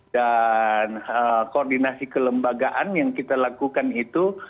dan koordinasi kelembagaan yang kita lakukan itu